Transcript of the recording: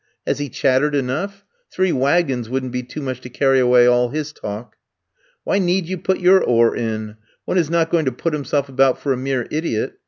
"Has he chattered enough? Three waggons wouldn't be too much to carry away all his talk." "Why need you put your oar in? One is not going to put himself about for a mere idiot.